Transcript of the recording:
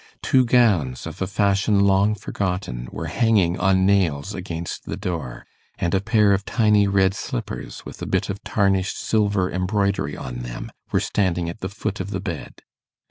Two gowns, of a fashion long forgotten, were hanging on nails against the door, and a pair of tiny red slippers, with a bit of tarnished silver embroidery on them, were standing at the foot of the bed.